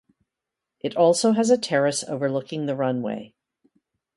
It also has a terrace overlooking the runway.